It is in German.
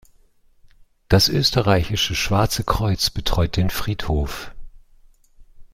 Das Österreichische Schwarze Kreuz betreut den Friedhof.